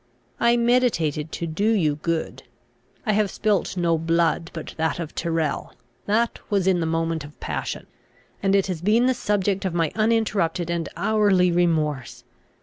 I meditated to do you good. I have spilt no blood but that of Tyrrel: that was in the moment of passion; and it has been the subject of my uninterrupted and hourly remorse.